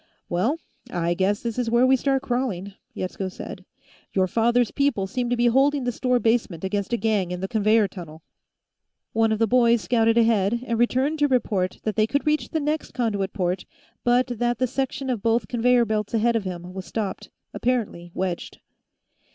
"Well, I guess this is where we start crawling," Yetsko said. "Your father's people seem to be holding the store basement against a gang in the conveyor tunnel." One of the boys scouted ahead, and returned to report that they could reach the next conduit port, but that the section of both conveyor belts ahead of him was stopped, apparently wedged.